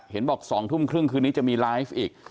เห็นบอก๒ทุ่มครึ่งคืนนี้จะมีไลฟ์อีก